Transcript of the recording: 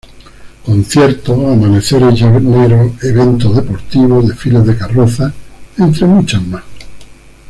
Conciertos, amaneceres llaneros, eventos deportivos, desfiles de carrozas, entre muchas más.